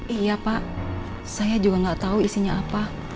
iya pak saya juga gak tau isinya apa